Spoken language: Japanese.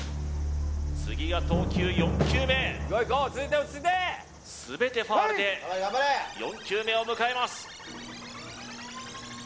次が投球４球目落ち着いて落ち着いて全てファウルで４球目を迎えます